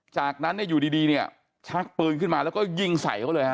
จากนั้นเนี่ยอยู่ดีเนี่ยชักปืนขึ้นมาแล้วก็ยิงใส่เขาเลยฮะ